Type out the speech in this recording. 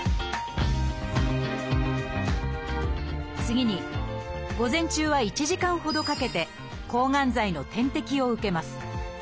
次に午前中は１時間ほどかけて抗がん剤の点滴を受けます